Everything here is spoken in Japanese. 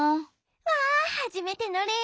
わはじめてのれん